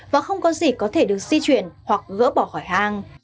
và không có gì có thể được di chuyển hoặc gỡ bỏ khỏi hang